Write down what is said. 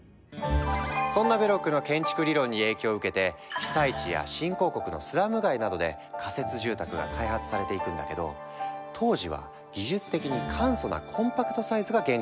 そんなベロックの建築理論に影響を受けて被災地や新興国のスラム街などで仮設住宅が開発されていくんだけど当時は技術的に簡素なコンパクトサイズが限界だった。